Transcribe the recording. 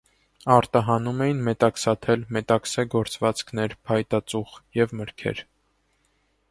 Արտահանում էին մետաքսաթել, մետաքսե գործվածքներ, փայտածուխ և մրգեր։